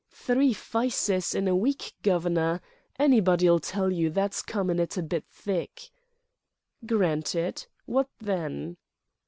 "Three fycers in a week, Gov'ner—anybody'll tell you that's comin' it a bit thick." "Granted. What then?"